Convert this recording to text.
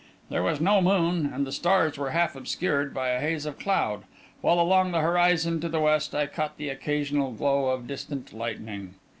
There was no moon, and the stars were half obscured by a haze of cloud, while along the horizon to the west, I caught the occasional glow of distant lightning.